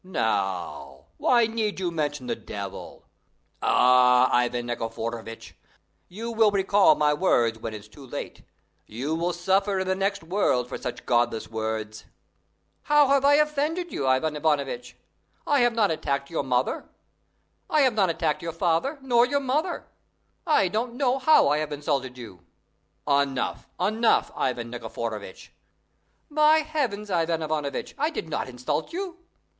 "Now, why need you mention the devil! Ah, Ivan Nikiforovitch! you will recall my words when it's too late. You will suffer in the next world for such godless words." "How have I offended you, Ivan Ivanovitch? I have not attacked your father nor your mother. I don't know how I have insulted you." "Enough, enough, Ivan Nikiforovitch!" "By Heavens, Ivan Ivanovitch, I did not insult you!"